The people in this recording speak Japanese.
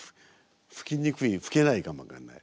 吹きにくい吹けないかも分かんない。